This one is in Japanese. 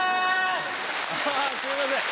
あぁすいません！